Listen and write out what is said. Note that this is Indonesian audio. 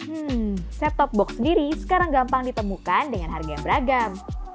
hmm set top box sendiri sekarang gampang ditemukan dengan harga yang beragam